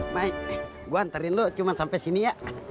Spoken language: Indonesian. baik gue anterin lo cuma sampai sini ya